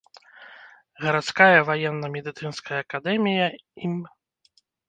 Гарадская ваенна-медыцынская акадэмія ім.